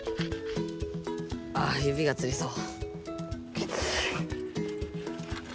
あゆびがつりそう。